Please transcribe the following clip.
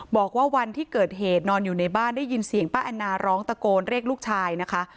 บอกว่าวันที่เกิดเหตุนอนอยู่ในบ้านได้ยินเสียงป้าแอนนาร้องตะโกนเรียกลูกชายนะคะ